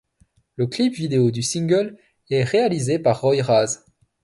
Le clip vidéo du single est réalisé par Roy Raz.